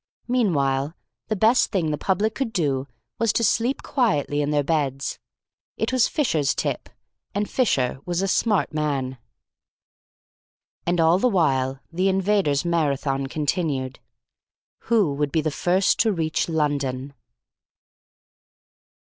Meanwhile, the best thing the public could do was to sleep quietly in their beds. It was Fisher's tip; and Fisher was a smart man. And all the while the Invaders' Marathon continued. Who would be the first to reach London?